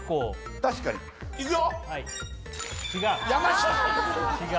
確かにいくよ。